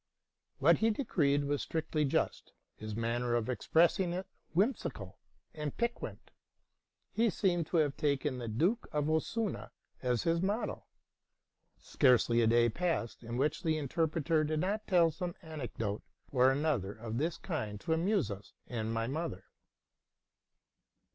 What he decreed was strictly just, his manwer of expressing it whimsical and piquant. He seemed to have taken the Duke of Ossuna as his model. Seareely a day passed in which the interpreter did not tell some anecdote or other of this kind to amuse us and my mother.